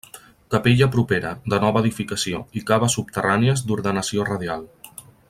Capella propera, de nova edificació, i caves subterrànies d'ordenació radial.